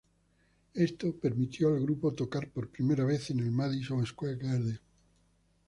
Esto permitió al grupo tocar por primera vez en el Madison Square Garden.